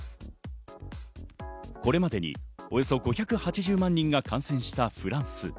これまでにおよそ５８０万人が感染したフランス。